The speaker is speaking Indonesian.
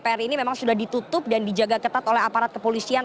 pr ini memang sudah ditutup dan dijaga ketat oleh aparat kepolisian